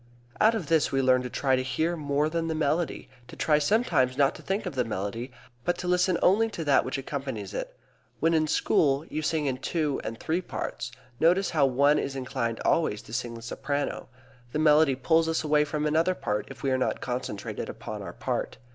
Out of this we learn to try to hear more than the melody, to try sometimes not to think of the melody, but to listen only to that which accompanies it. When, in school, you sing in two and three parts, notice how one is inclined always to sing the soprano. The melody pulls us away from another part if we are not concentrated upon our part.